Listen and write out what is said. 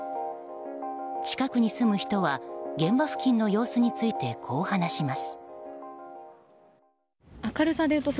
近くに住む人は現場付近の様子についてこう話します。